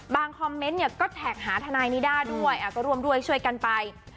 คอมเมนต์เนี่ยก็แท็กหาทนายนิด้าด้วยก็ร่วมด้วยช่วยกันไป